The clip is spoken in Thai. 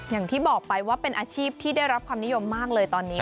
อย่างที่บอกไปว่าเป็นอาชีพที่ได้รับความนิยมมากเลยตอนนี้